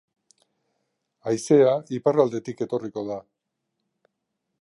Haizea iparraldetik etorriko da.